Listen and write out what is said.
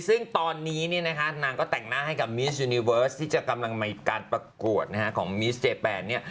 ซึ่งตอนนี้เนี่ยนะคะนางก็แต่งหน้าให้กับมิสยูนิเวิร์สที่จะกำลังมีการประกวดนะฮะของมิสเจแปนเนี่ย